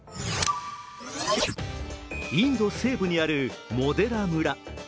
インド西部にあるモデラ村。